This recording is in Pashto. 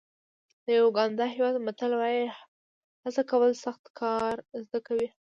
د یوګانډا هېواد متل وایي هڅه کول سخت کار زده کوي.